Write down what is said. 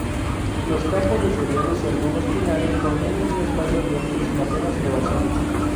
Los campos de cereales y algunos pinares dominan un espacio abierto sin apenas elevaciones.